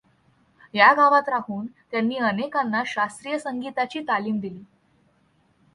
या गावात राहून त्यांनी अनेकांना शास्त्रीय संगीताची तालीम दिली.